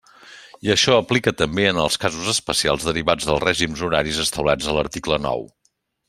I això aplica també, en els casos especials derivats dels règims horaris establerts a l'article nou.